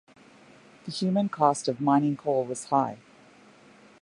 The human cost of mining coal was high.